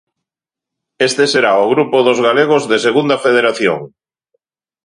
Este será o grupo dos galegos de Segunda Federación.